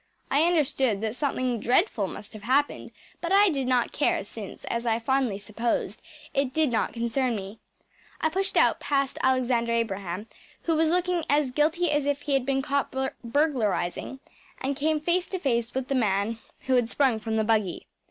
I understood that something dreadful must have happened, but I did not care, since, as I fondly supposed, it did not concern me. I pushed out past Alexander Abraham who was looking as guilty as if he had been caught burglarizing and came face to face with the man who had sprung from the buggy.